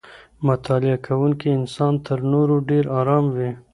مطالعه کوونکی انسان تر نورو ډېر ارام وي.